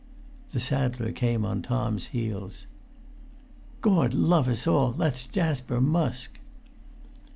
The saddler came on Tom's heels. "Gord love us all, that's Jasper Musk!"